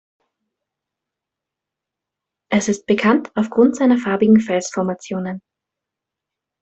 Es ist bekannt aufgrund seiner farbigen Felsformationen.